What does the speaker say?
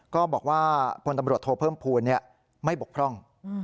ก็บอกว่าพปโทเพิ่มภูมิไม่บกพร่อง